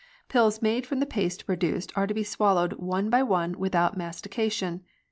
Pills made from the paste produced are to be swallowed one by one without mastication.